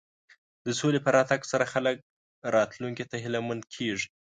د سولې په راتګ سره خلک راتلونکي ته هیله مند کېږي.